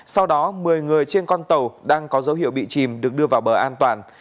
sau đó một mươi người trên con tàu đang có dấu hiệu bị chìm được đưa vào bờ an toàn